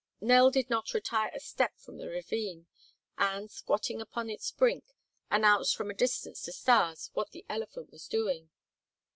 Nell did not retire a step from the ravine and, squatting upon its brink, announced from a distance to Stas what the elephant was doing.